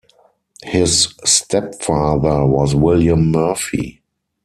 His stepfather was William Murphy.